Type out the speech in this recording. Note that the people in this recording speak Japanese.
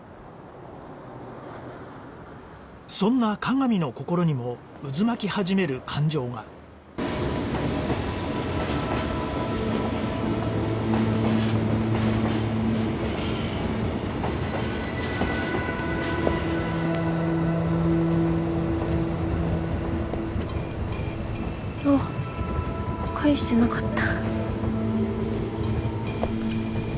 そんな加賀美の心にも渦巻き始める感情があっ返してなかった。